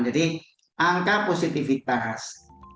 jadi angka positifitas